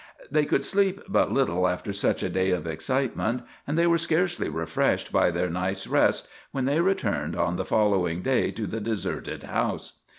They could sleep but little after such a day of excitement, and they were scarcely refreshed by their night's rest when they returned on the following day to the deserted house.